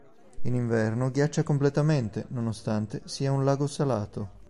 In inverno ghiaccia completamente, nonostante sia un lago salato.